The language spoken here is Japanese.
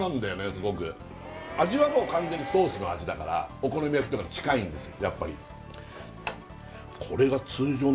すごく味はもう完全にソースの味だからお好み焼きとかに近いんですよ